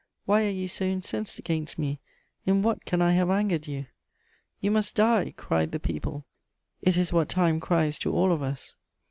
Why are you so incensed against me? In what can I have angered you?" "You must die!" cried the people: it is what Time cries to all of us.